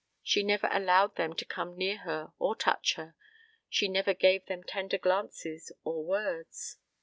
She never allowed them to come near her or touch her; she never gave them tender glances or words.